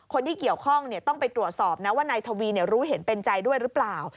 คนที่เกี่ยวข้องต้องไปตรวจสอบนะว่านายทวีรู้เห็นเป็นใจด้วยหรือเปล่า